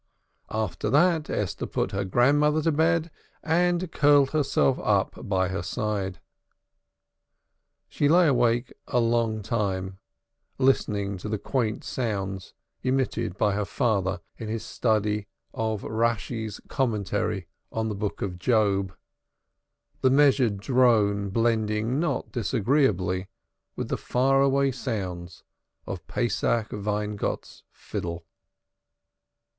After that, Esther put her grandmother to bed and curled herself up at her side. She lay awake a long time, listening to the quaint sounds emitted by her father in his study of Rashi's commentary on the Book of Job, the measured drone blending not disagreeably with the far away sounds of Pesach Weingott's fiddle.